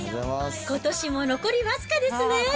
ことしも残り僅かですね。